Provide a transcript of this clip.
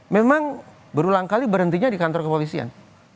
memang berulang kali berhentinya di kantor kepolisian